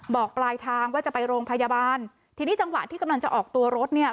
ปลายทางว่าจะไปโรงพยาบาลทีนี้จังหวะที่กำลังจะออกตัวรถเนี่ย